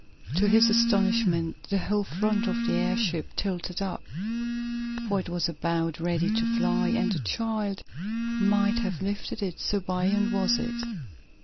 To his astonishment the whole front of the airship tilted up, for it was about ready to fly, and a child might have lifted it, so buoyant was it.